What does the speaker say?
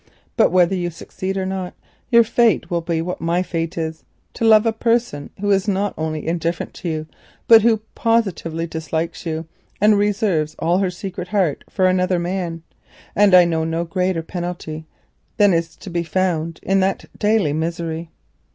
But whether you succeed or not, your fate also will be what my fate is—to love a person who is not only indifferent to you but who positively dislikes you, and reserves all her secret heart for another man, and I know no greater penalty than is to be found in that daily misery."